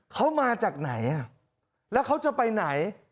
เขามาจากไหนแล้วเขาจะไปไหน